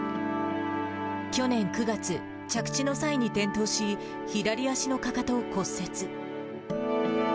去年９月、着地の際に転倒し、左足のかかとを骨折。